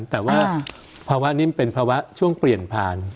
แต่ว่าภาวะนี้มันเป็นภาวะช่วงเปลี่ยนผ่าน